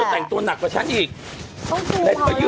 ต้องซูมเขาละ